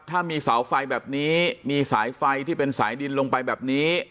ถ้ามีเสาไฟแบบนี้มีสายไฟที่เป็นสายดินลงไปแบบนี้